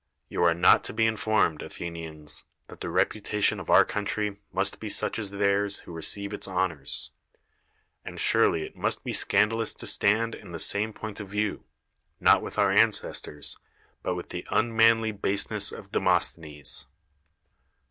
You are not to be in formed, Athenians, that the reputation of our country must be such as theirs who receive its honors. And surely it must be scandalous to stand in the sanui point of view, not with our ancestors, but with the unmanly baseness of De mosthenes.